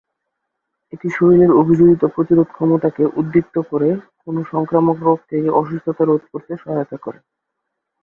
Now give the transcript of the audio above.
এটি শরীরের অভিযোজিত প্রতিরোধ ক্ষমতা কে উদ্দীপ্ত করে কোনও সংক্রামক রোগ থেকে অসুস্থতা রোধ করতে সহায়তা করে।